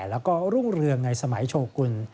แล้วก็รุ่งเรืองในสมัยโชกุล